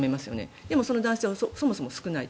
でも、その男性はそもそも少ないと。